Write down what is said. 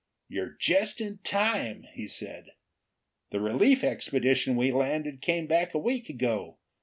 "You're just in time!" he said. "The relief expedition we landed came back a week ago.